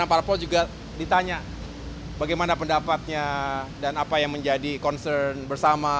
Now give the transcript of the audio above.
dan para pimpinan juga ditanya bagaimana pendapatnya dan apa yang menjadi concern bersama